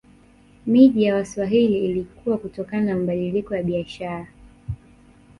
Miji ya Waswahili ilikua kutokana na mabadiliko ya biashara